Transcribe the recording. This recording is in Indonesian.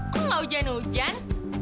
kok gak hujan hujan